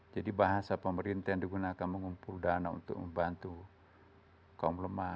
jadi bahasa pemerintah yang digunakan mengumpul dana untuk membantu kaum lemah